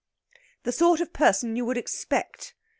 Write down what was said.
"The sort of person you would expect.